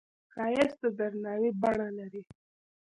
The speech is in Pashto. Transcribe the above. ښایست د درناوي بڼه لري